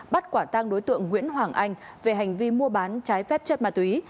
bắt quả tăng đối tượng nguyễn hoàng anh về hành vi mua bán trái phép chết ma túy